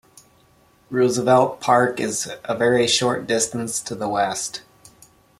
Roosevelt Park is a very short distance to the west.